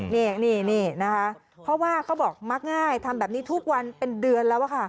นี่นะคะเพราะว่าเขาบอกมักง่ายทำแบบนี้ทุกวันเป็นเดือนแล้วค่ะ